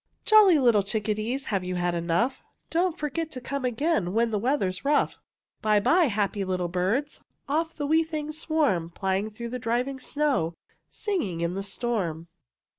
Jolly little chickadees, Have you had enough? Don't forget to come again When the weather's rough. Bye, bye, happy little birds! Off the wee things swarm, Plying through the driving snow, Singing in the storm.